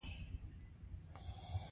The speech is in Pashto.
موږ لږه شیبه ورته انتظار وکړ.